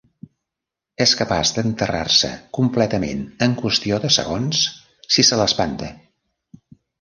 És capaç d'enterrar-se completament en qüestió de segons si se l'espanta.